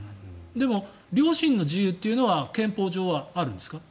でも良心の自由というのは憲法上はあるんですか？